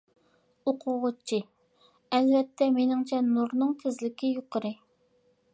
ئوقۇغۇچى: ئەلۋەتتە، مېنىڭچە نۇرنىڭ تېزلىكى يۇقىرى.